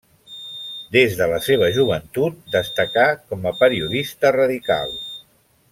Des de la seva joventut destacà com a periodista radical.